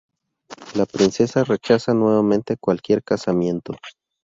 La princesa rechaza nuevamente cualquier casamiento.